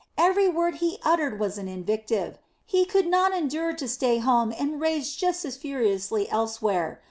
Every word he uttered was an invective. He could not endure to stay at home and raged just as furiously elsewhere.